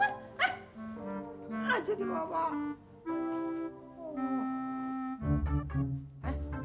aduh jadi bapak